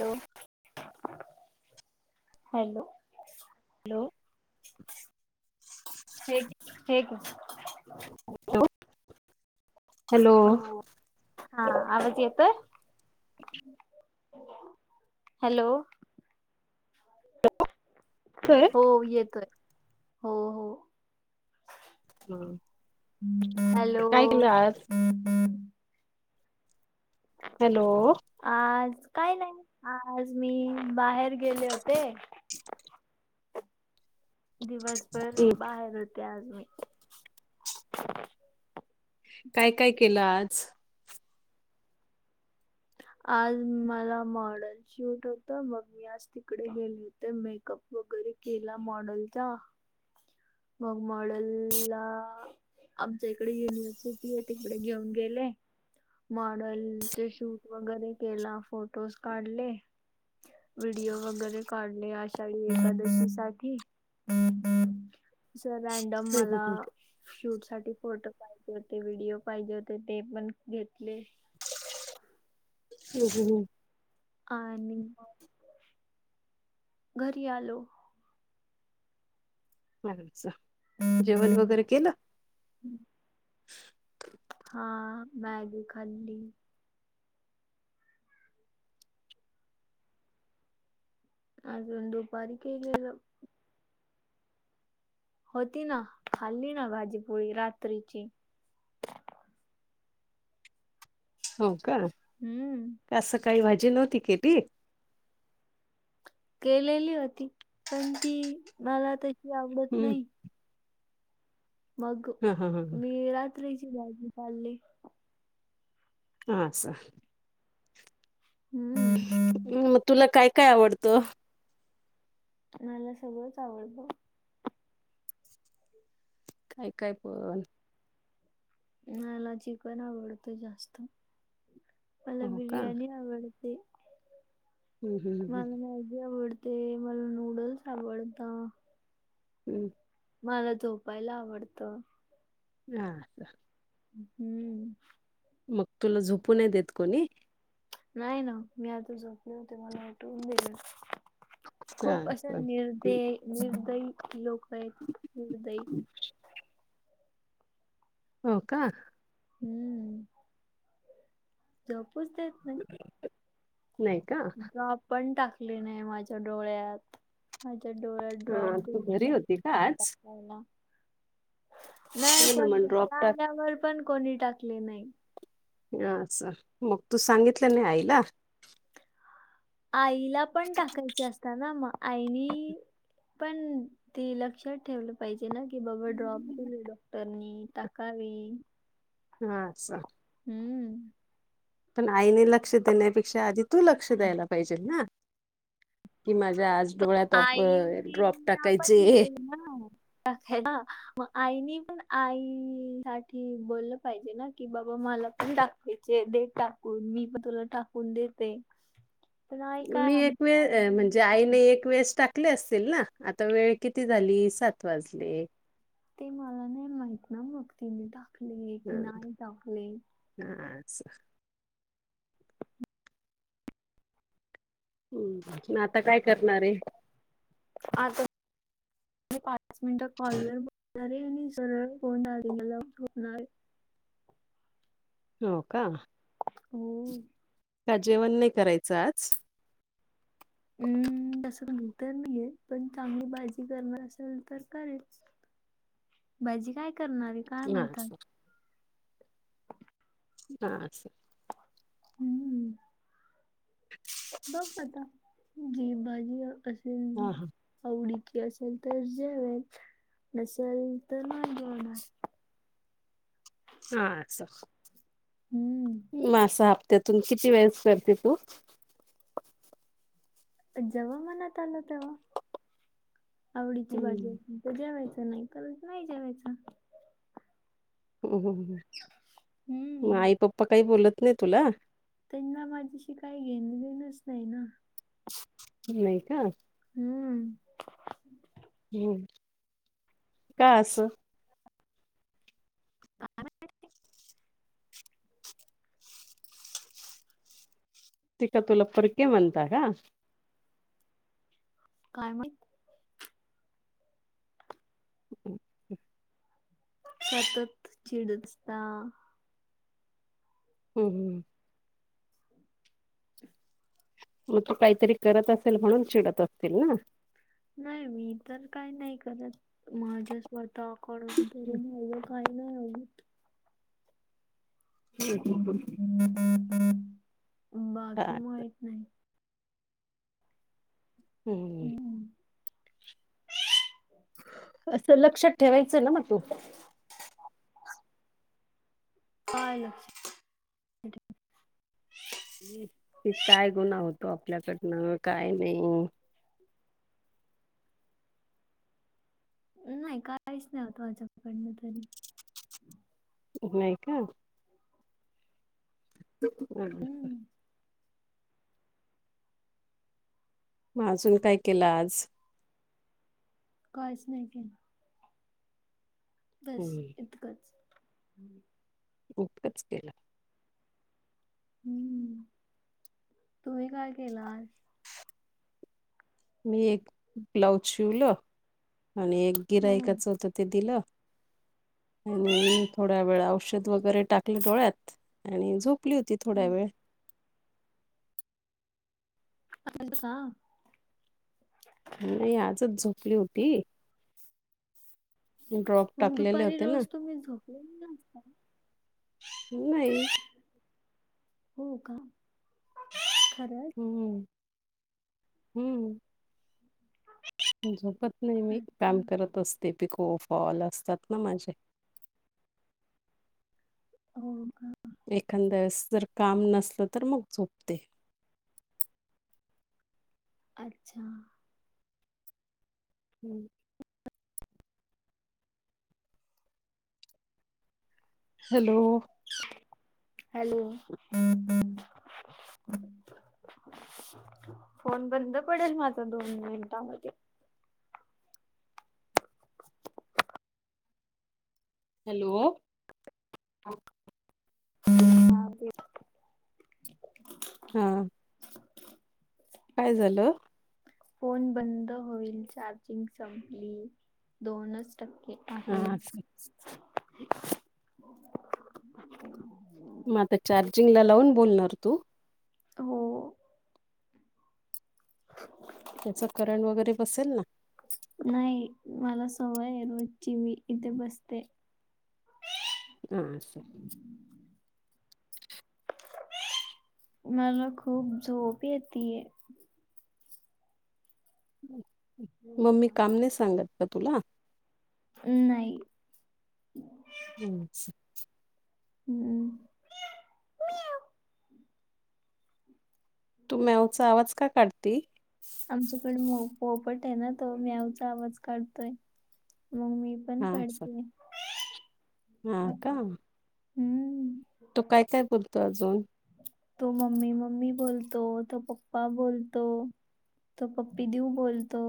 Hello hello [inaudible] hello [inaudible] [inaudible] hello [inaudible] hello. हा आवाज येतोय. [inaudible] Hello hello. हो येतोय. [inaudible] हो हो. [inaudible] हॅलो काय केलं आज हॅलो आज काय नाही, आज मी बाहेर गेले होते. दिवसभर हम् बाहेर होते आज मी. काय, काय केलं आज. आज मला मॉडेल शूट होत. मग मी आज तिकडे गेले होते, मेकअप वगैरे केला मॉडेलचा. [inaudible] मग मॉडेल ला [inaudible] आमच्या इकडे युनिव्हर्सिटी आहे, तिकडे घेऊन गेले. मॉडलचे शूट वगैरे केला फोटोज काढले व्हिडिओ वगैरे काढ आषाढी एकादशी साठी सर रॅडम मला शूट साठी फोटो पाहिजे होते व्हिडिओ पाहिजे होते ते पण घेतले हहम काय आणि, घरी आलो, जेवण वगैरे केलं, हम्म, हा मॅगी खाल्ली, अजून दुपारी केलेलं होती ना खाल्ली ना भाजी पोळी रात्रीची, हो का हम्म आज सकाळी भाजी नव्हती केली, केलेली होती पण ती मला तशी आवडत हम्म नाही, मग हा हा ह मी रात्रीची भाजी खाल्ली, आस, हम्म, ह् म तुला काय काय आवडतं, मला सगळंच आवडत, काय काय पण, मला चिकण आवडत जास्त, मला हो का बिर्याणी आवडते, हम्म हम्म मला मॅगी आवडते मला नूडल्स आवडता, हम् मला झोपायला आवडतं, हा, का हम्म, मग तुला झोपू नाही देत कोणी, नाही ना मी आत्ता झोपले. होते मला उटवून दिलं, हा खूप अशा निर्दय निर्दयी लोक आहेत निर्दयी, हो का, हम्म, झोपूच देत नाहीत. नाही का, ड्रॉप पण टाकली नाही माझ्या डोळ्यात माझ्या डोळ्यात ड्रॉप हा तू घरी दिलेला होती का आहे आज टाकायला, नाही हो ना पण मग ड्रॉप घरी टाक आल्यावर पण कोणी टाकले नाही. हा असं मग तू सांगितलं नाही आईला, आईला पण टाकायचे असतात ना मग आईनी, पण ती लक्षात ठेवलं, पाहिजे ना की बाबा ड्रॉप दिले डॉक्टरनी टाकावी, हा‌ अस, हम्म पण आईने लक्ष देण्यापेक्षा आधी तू लक्ष द्यायला पाहिजेल ना. कि माझ्या आज डोळ्यात ऑफ ड्रॉप आईला टाकायचे पण हे. दिलेली ना टाकायला मग आईनी पण आई साठी बोललं पाहिजे ना की बाबा मला, पण टाकायचे दे टाकून मी पण तुला टाकून देते. पण आई काय मी एक आमच्या आई वेळ म्हणजे देणार? आईने एक वेळेस टाक टाकले असतील ना, आता वेळ किती झाली सात वाजले. ते मला नाही माहित ना मग तिने टाकले ह की नाही टाकले. असं, हम्म म आता काय करणार आहे. आता म पाच मिनिटात कॉलवर बोलणार आहे, आणि सरळ फोन चार्जिंगला लावून झोपणार आहे. हो का. हो. का जेवण नाही करायचं आज? हम्म तसं मन तर नाहीय, पण चांगली भाजी करणार असेल तर करेल. भाजी काय करणार हाय गं अ्छा [unintelligible] हा हम्म हो [inaudible] बघ आता [inaudible] जी बाजी अस हा हा आवडीची असेल तर जेवेल, नसेल तर नाही जेवनार. हा अ स हम्म मासा हप्त्यातून किती वेळेस करते तू? जेव्हा मनात आल तेव्हा आवडीची हम्म भाजी होती. जेवायचं नाही तर नाही जेवायचं. ह हा ह मग हम्म आई पप्पा काही बोलत नाही तुला. त्यांना माझ्याशी काही घेण देणच नाही ना. नाही का हम्म हम्म काय असं काय माहिती. ते काय तुला परके म्हंनता का? काय म- हम् [unintelligible] सतत चिडसता. हम्म मग तू काहीतरी करत असेल म्हणून चिडत असतील ना. नाही मी तर काही नाही करत माझ्या स्वतःकडून काय - नाही. हम्म. बाकी हत नाही हा [inaudible] हम्म असं लक्षात ठेवायचं ना मग तू. काय लक्षात ठेऊ. की काय गुन्हा होतो आपल्याकडनं काय नाही. नाही काहीच नाही होत माझ्याकडं तरी. नाय का? हम्म [unintelligible] म अजून काय केलं आज? कायच नाय केलं. बस हम्म. इतकंच. इतकच केल. हम्म तुम्ही काय केलं आज? मी एक ब्लाऊज शिवल आणि एक हम्म. गिरायकाच होतं ते दिलं. आणि थोड्या वेळ औषध वगैरे टाकल डोळ्यात. आणि झोपली होती थोडा वेळ. आज का? नाय आजच झोपली होती. ड्रॉप मग टाकलेले दुपारी होते ना रोज तुम्ही झोपलेले नसता? नाई. हो का खरं? हम्म हम्म. झोपत नाय मी काम अच्छा करत असते पिको फॉल असतात ना माझे. हो का. एखाद्या वेळेस जर काम नसलं तर मग झोपते. अच्छा. हम्म. हॅलो. हॅलो. फोन बंद पडेल माझा दोन मिनटामध्ये. हॅलो. हा [inaudible] हा. काय झालं? फोन बंद होईल चार्जिंग संपली दोनच टक्के हा आहे. असं. म आता चार्जिंगला लावून बोलणार तू? हो. त्याचं करंट वगैरे बसेल ना. नाय मला सवय हाय रोजची मी इथ बसते. हा आस. मला खूप झोप येतिये. मम्मी काम नाय सांगत का तुला? नाही. [unintelligible] हम्म. तू म्यावचा आवाज का काढती? आमच्याकडे मो पोपट आय ना तो म्यावचा आवाज काढतोय. मग मी पण हा अस काढतिये. हा का. हम्म. तो काय काय बोलतोय अजून तो मम्मी मम्मी बोलतो तो पप्पा बोलतो. तो पप्पी देऊ बोलतो.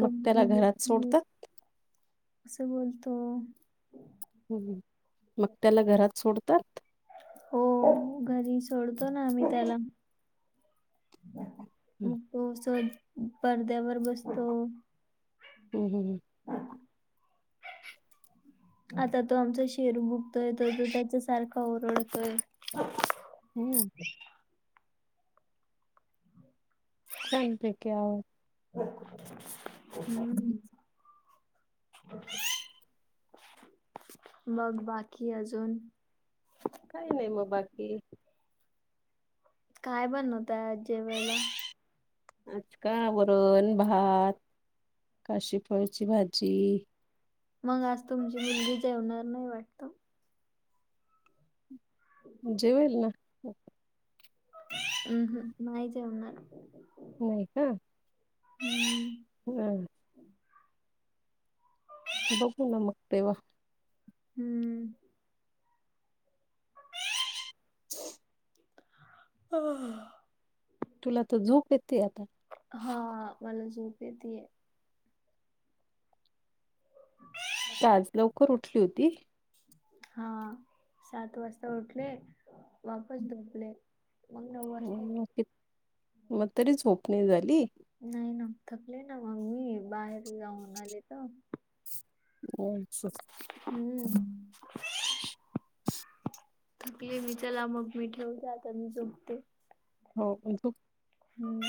तो मग त्याला मुए घरात मुए सोडतात अस बोलतो. हम मग त्याला घरात सोडतात. हो घरी सोडतो ना आम्ही त्याला. मग तो सर्व पडद्यावर बसतो. हम हमम. आता तो आमचा शेरू भुकतोय तो तो त्याच्या सारखा ओरडतोय. हम्म. ह [inaudible] च पेकवर. [unintelligible] हम्. [inaudible] मग बाकी अजून? काही नाही मग बाकी. काय बनव ताय जेवायला. आज काय वरण-भात काशी फळची भाजी. मग आज तुमची मुलगी जेवणार नाही वाटत. जेवल ना. हम् हम नाही जेवणार. नाहीय का. हम्म. हम्म. बघू न मग तेव्हा. हम्म. हो. आ तुला तर झोप येते आता. हा मला झोप येते. त्याच लोक. करून ठेवती. हा सात वाजता उठले हं, वापस झोपले. मग नऊ वाजता मग तरी झोप नाही झाली. नाही ना थकले ना मग मी बाहेर जाऊन आले तर. हो. हम्म. [inaudible] थकली मी चला मग मी ठेवू का मी झोपते. हो तूमच. हम्म.